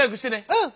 うん！